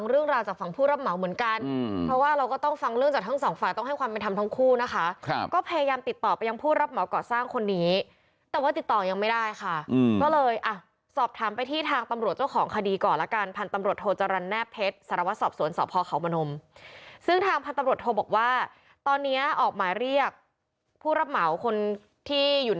อืมพูดสื่อคำเราก็ลงพื้นที่ไปที่บ้านหลังเกิดเหตุไปดู